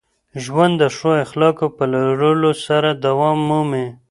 ژوند د ښو اخلاقو په لرلو سره دوام مومي.